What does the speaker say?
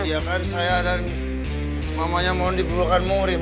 iya kan saya dan mamanya mau diperluan moring